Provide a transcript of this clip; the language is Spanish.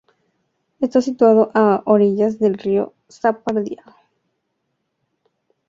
Está situado a orillas del río Zapardiel.